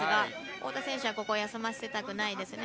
太田選手はここ休ませたくないですね。